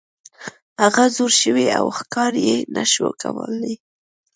هغه زوړ شوی و او ښکار یې نشو کولی.